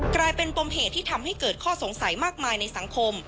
กลายเป็นปมเหตุที่ทำให้เกิดข้อสงสัยมากมายในสังคม